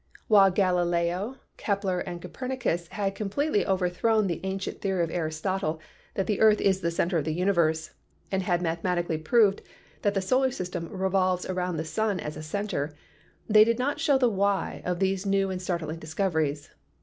While Galileo, Kepler and Copernicus had completely overthrown the ancient theory of Aristotle that the earth is the center of the universe, and had mathematically proved that the solar system revolves about the sun as a center, they did not show the "why" of these new and startling discoveries.